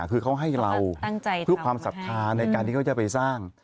คือเขาให้เราเพื่อความศรัทธาในการที่เขาจะไปสร้าง